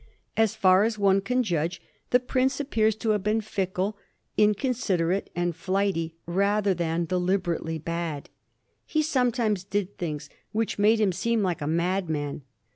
As far as one can judge, the prince appears to have been fickle, inconsider ate, and flighty rather than deliberately bad. He some times did things which made him seem like a madman.